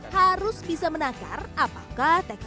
harus bisa menangkar apakah tekniknya